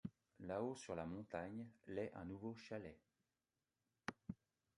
Là-haut sur la montagne, l'est un nouveau chalet.